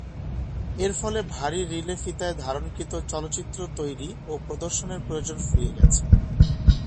এর ফলে ভারী রিলে ফিতায় ধারণকৃত চলচ্চিত্র তৈরি ও প্রদর্শনের প্রয়োজন ফুরিয়ে গেছে।